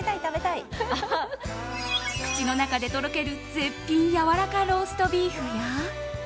口の中でとろける絶品やわらかローストビーフや。